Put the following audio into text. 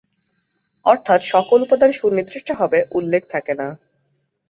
অর্থাৎ, সকল উপাদান সুনির্দিষ্টভাবে উল্লেখ থাকে না।